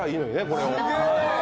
これを。